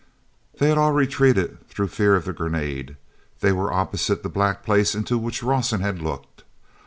hey had all retreated through fear of the grenade; they were opposite the black place into which Rawson had looked.